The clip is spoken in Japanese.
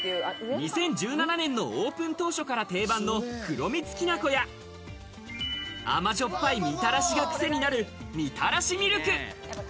２０１７年のオープン当初から定番の黒みつきなこや、甘じょっぱいみたらしがクセになる、みたらしみるく。